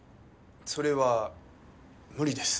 それは無理です。